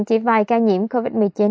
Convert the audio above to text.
chỉ vài ca nhiễm covid một mươi chín